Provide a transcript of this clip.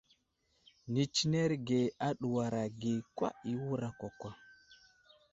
Nenzərge aduwar age kwa i wura kwakwa.